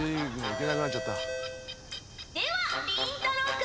ではりんたろう君。